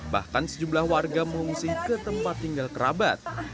bahkan sejumlah warga mengungsi ke tempat tinggal kerabat